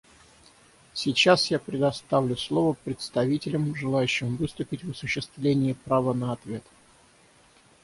Сейчас я предоставлю слово представителям, желающим выступить в осуществление права на ответ.